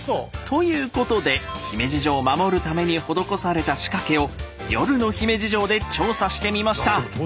ということで姫路城を守るために施された仕掛けを夜の姫路城で調査してみました。